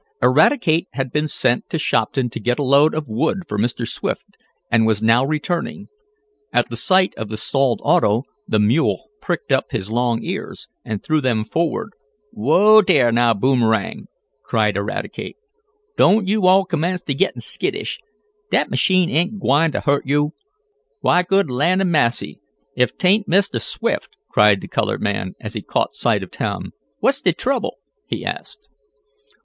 Eradicate had been sent to Shopton to get a load of wood for Mr. Swift, and was now returning. At the sight of the stalled auto the mule pricked up his long ears, and threw them forward. "Whoa dar, now, Boomerang!" cried Eradicate. "Doan't yo' all commence t' gittin' skittish. Dat machine ain't gwine t' hurt yo'. Why good land a' massy! Ef 'tain't Mistah Swift!" cried the colored man, as he caught sight of Tom. "What's de trouble?" he asked.